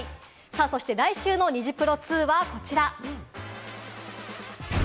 そして来週のニジプロ２はこちら。